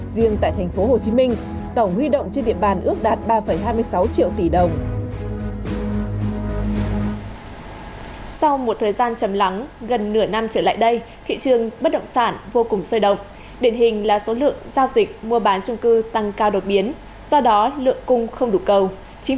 riêng tại thành phố hồ chí minh tổng huy động trên địa bàn ước đạt ba hai mươi sáu triệu tỷ đồng